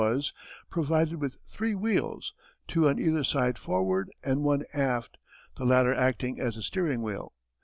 _, was provided with three wheels, two on either side forward and one aft, the latter acting as a steering wheel.